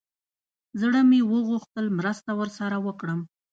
زړه مې وغوښتل مرسته ورسره وکړم.